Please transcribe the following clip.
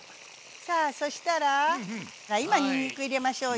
さあそしたら今にんにく入れましょうよ。